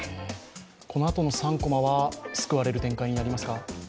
このあとは３コマは救われる展開になりますか？